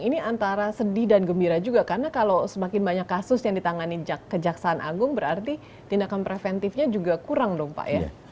ini antara sedih dan gembira juga karena kalau semakin banyak kasus yang ditangani kejaksaan agung berarti tindakan preventifnya juga kurang dong pak ya